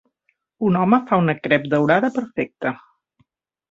Un home fa una crep daurada perfecta.